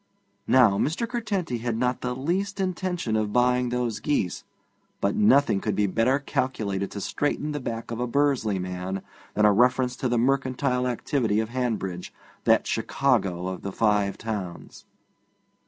Now, Mr. Curtenty had not the least intention of buying those geese, but nothing could be better calculated to straighten the back of a Bursley man than a reference to the mercantile activity of Hanbridge, that Chicago of the Five Towns.